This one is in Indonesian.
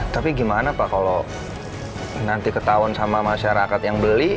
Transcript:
tapi gimana pak kalau nanti ketahuan sama masyarakat yang beli